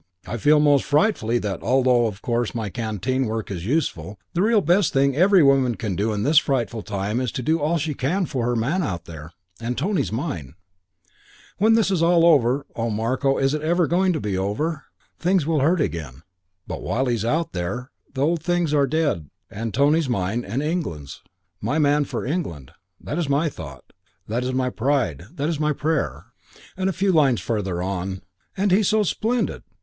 I feel most frightfully that, although of course my canteen work is useful, the real best thing every woman can do in this frightful time is to do all she can for her man out there; and Tony's mine. When this is all over oh, Marko, is it ever going to be over? things will hurt again; but while he's out there the old things are dead and Tony's mine and England's my man for England: that is my thought; that is my pride; that is my prayer." And a few lines farther on, "And he's so splendid.